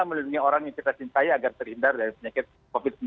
melindungi orang yang kita cintai agar terhindar dari penyakit covid sembilan belas